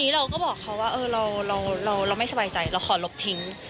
เราก็บอกเขาว่าเราไม่สบายใจเราขอลบทิ้ง